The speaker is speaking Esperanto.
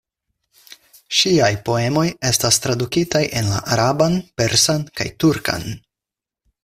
Ŝiaj poemoj estas tradukitaj en la araban, persan kaj turkan.